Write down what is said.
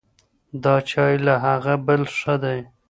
دا چای له هغه بل ښه دی.